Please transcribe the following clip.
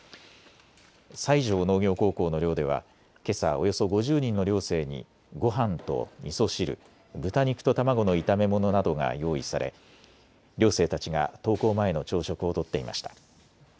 西条農業高校の寮ではけさおよそ５０人の寮生にごはんとみそ汁、豚肉と卵の炒め物などが用意され寮生たちが登校前の朝食をとっていました。